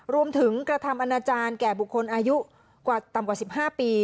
กระทำอนาจารย์แก่บุคคลอายุต่ำกว่า๑๕ปี